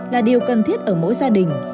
là điều cần thiết ở mỗi gia đình